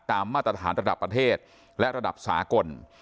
มาตรฐานระดับประเทศและระดับสากล